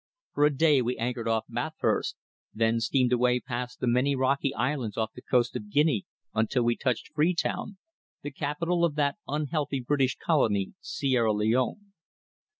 For a day we anchored off Bathurst, then steamed away past the many rocky islands off the coast of Guinea until we touched Free Town, the capital of that unhealthy British colony Sierra Leone.